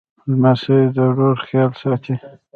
لمسی د ورور خیال ساتي.